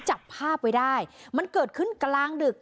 จับภาพไว้ได้มันเกิดขึ้นกลางดึก